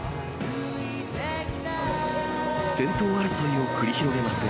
先頭争いを繰り広げますが。